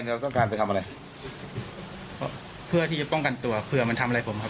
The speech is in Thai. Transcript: เราต้องการไปทำอะไรเพื่อที่จะป้องกันตัวเผื่อมันทำอะไรผมครับ